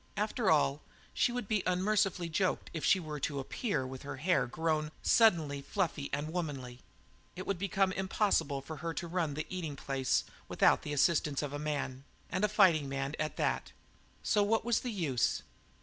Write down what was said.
After all, she would be unmercifully joked if she were to appear with her hair grown suddenly fluffy and womanly it would become impossible for her to run the eating place without the assistance of a man, and a fighting man at that. So what was the use?